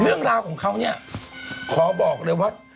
เรื่องราวของเขาเนี่ยขอบอกเลยว่า